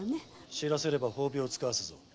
知らせれば褒美をつかわす。